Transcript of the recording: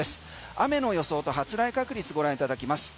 雨の予想と発雷確率ご覧いただきます。